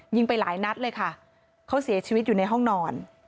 ไปหลายนัดเลยค่ะเขาเสียชีวิตอยู่ในห้องนอน